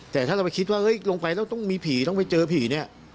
แต่ถ้าเราไปคิดว่าเฮ้ยลงไปแล้วต้องมีผีต้องไปเจอผีเนี่ย